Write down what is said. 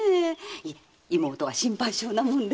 いえ義妹は心配性なもんで。